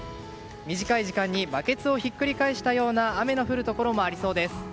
短い時間にバケツをひっくり返したような雨の降るところがありそうです。